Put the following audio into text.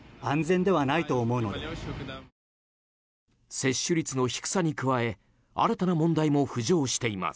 接種率の低さに加え新たな問題も浮上しています。